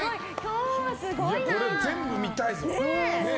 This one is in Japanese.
これ、全部見たいぞ。